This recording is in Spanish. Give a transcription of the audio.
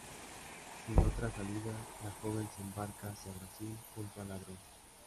Sin otra salida, la joven se embarca hacia Brasil junto al ladrón.